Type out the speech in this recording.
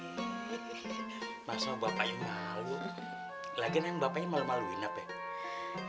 hehehe masa bapaknya malu lagi namanya bapaknya malu maluin ya friend